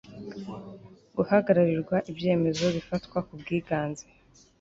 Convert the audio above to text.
guhagararirwa ibyemezo bifatwa ku bwiganze